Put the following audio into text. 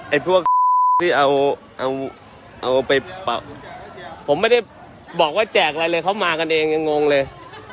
ไอ้พวกที่เอาเอาไปผมไม่ได้บอกว่าแจกอะไรเลยเขามากันเองยังงงเลย